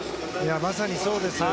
まさにそうです。